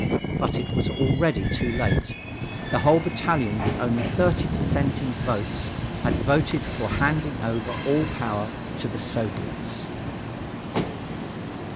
But it was already too late. The whole battalion, with only thirty dissenting votes, had voted for handing over all power to the Soviets.